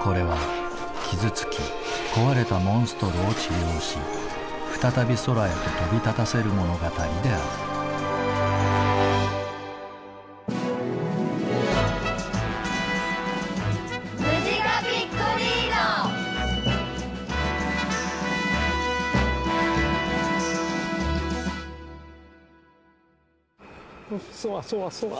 これは傷つき壊れたモンストロを治療し再び空へと飛び立たせる物語であるそわそわそわ。